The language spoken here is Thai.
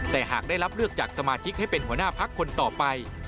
แต่หากได้รับเลือกจากสมาชิกให้เป็นหัวหน้าพักคนต่อไป